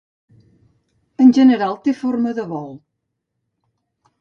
En general, té una forma de bol.